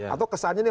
atau kesannya nih